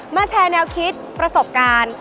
แชร์แนวคิดประสบการณ์